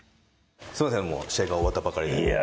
すみません試合が終わったばかりで。